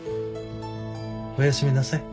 おやすみなさい。